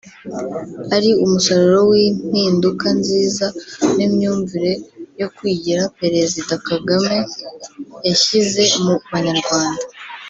ari umusaruro w’impinduka nziza n’imyumvire yo kwigira Perezida Kagame yashyize mu banyarwanda